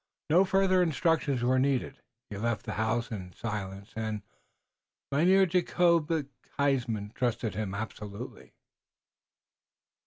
No further instructions were needed. He left the house in silence, and Mynheer Jacobus Huysman trusted him absolutely.